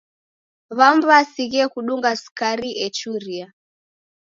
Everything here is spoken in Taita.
W'amu w'asighie kudunga sukari echuria.